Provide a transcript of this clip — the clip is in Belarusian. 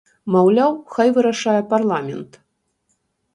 Маўляў, хай вырашае парламент.